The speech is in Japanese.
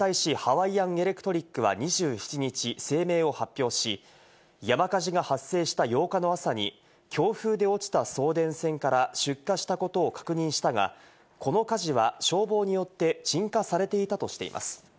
これに対しハワイアン・エレクトリックは２７日、声明を発表し、山火事が発生した８日の朝に強風で落ちた送電線から出火したことを確認したが、この火事は消防によって鎮火されていたとしています。